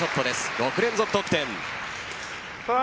６連続得点。